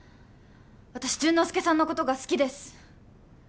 私潤之介さんのことが好きです